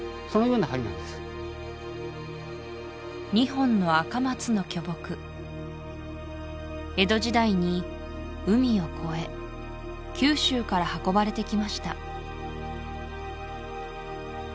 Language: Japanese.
２本の赤松の巨木江戸時代に海を越え九州から運ばれてきました